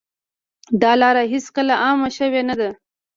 دا لاره هېڅکله عامه شوې نه ده.